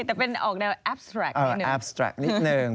แต่เป็นออกแนวแอปสตรัคนิดหนึ่ง